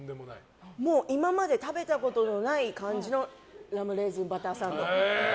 今まで食べたことのない感じのラムレーズンバターサンド。